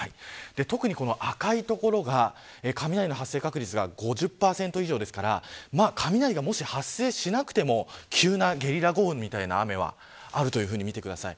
特に赤い所が雷の発生確率が５０％以上ですから雷がもし発生しなくても急なゲリラ豪雨みたいな雨はあるというふうに見てください。